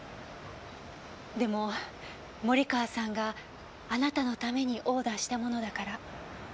でも森川さんがあなたのためにオーダーしたものだから。